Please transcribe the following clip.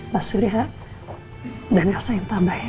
pak surya dan elsa yang tambah ya